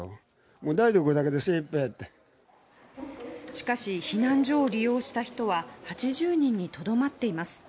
しかし避難所を利用した人は８０人にとどまっています。